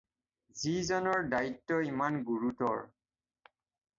যি জনৰ দায়িত্ব ইমান গুৰুতৰ